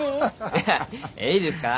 いやえいですか？